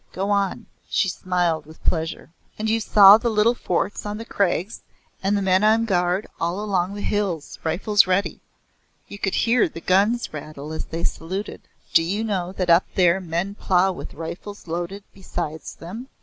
Go on!" She smiled with pleasure. "And you saw the little forts on the crags and the men on guard all along the bills, rifles ready! You could hear the guns rattle as they saluted. Do you know that up there men plough with rifles loaded beside them?